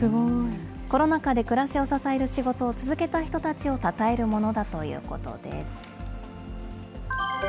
コロナ禍で暮らしを支える仕事を続けた人たちをたたえるものだということです。